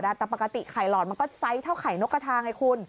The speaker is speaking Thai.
แต่ปกติไข่หลอดมันก็ไซส์เท่าไข่นกกระทาไงคุณ